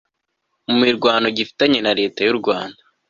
mu mirwano gifitanye na leta y u rwanda